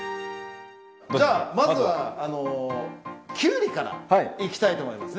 まずはキュウリからいきたいと思います。